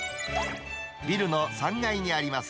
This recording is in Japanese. ビルの３階にあります